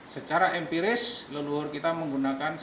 secara empiris leluhur kita menggunakan